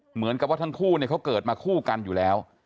เหมือนกับว่าทั้งคู่เขาเกิดมาคู่กันอยู่แล้ว